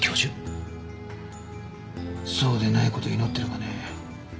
そうでない事を祈っているがね。